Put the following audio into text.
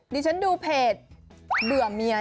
ดิฉันดูเพจเบื่อเมีย